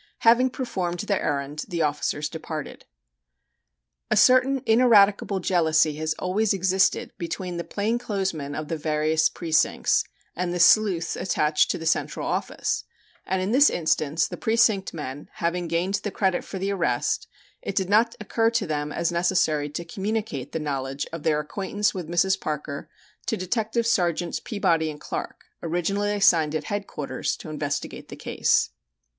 Having performed their errand the officers departed. A certain ineradicable jealousy has always existed between the plain clothes men of the various precincts and the sleuths attached to the Central Office, and in this instance the precinct men, having gained the credit for the arrest, it did not occur to them as necessary to communicate the knowledge of their acquaintance with Mrs. Parker to Detective Sergeants Peabody and Clark, originally assigned at Headquarters to investigate the case.